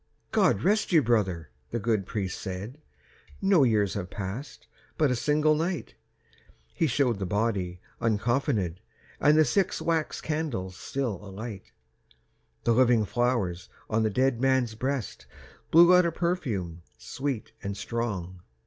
"God rest you, brother," the good priest said, "No years have passed—but a single night." He showed the body uncoffinèd, And the six wax candles still alight. The living flowers on the dead man's breast Blew out a perfume sweet and strong.